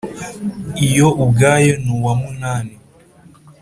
iyo ubwayo ni uwa munani,